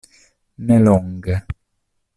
Ne longe.